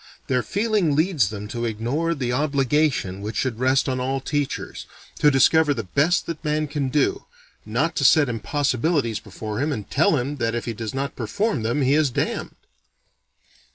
Their feeling leads them to ignore the obligation which should rest on all teachers, "to discover the best that man can do, not to set impossibilities before him and tell him that if he does not perform them he is damned."